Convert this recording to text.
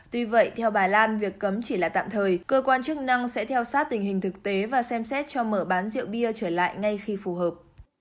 tuy vậy theo bà lan việc cấm chỉ là tạm thời cơ quan chức năng sẽ theo sát tình hình thực tế và xem xét cho mở bán rượu bia trở lại ngay khi phù hợp